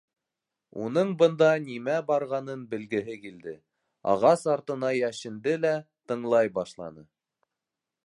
Уның бында нимә барғанын белгеһе килде, —ағас артына йәшенде лә тыңлай башланы.